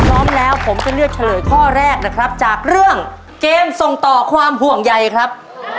พร้อมแล้วผมจะเลือกเฉลยข้อแรกนะครับจากเรื่องเกมส่งต่อความห่วงใยครับ